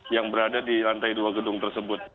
yang berada di lantai dua gedung tersebut